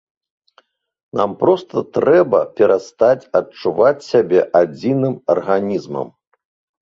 Нам проста трэба перастаць адчуваць сябе адзіным арганізмам.